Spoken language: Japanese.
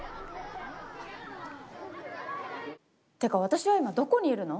てか私は今どこにいるの？